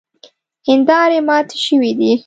هیندارې ماتې شوې دي.